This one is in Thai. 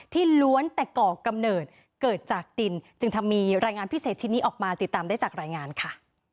ล้วนแต่ก่อกำเนิดเกิดจากดินจึงทำมีรายงานพิเศษชิ้นนี้ออกมาติดตามได้จากรายงานค่ะ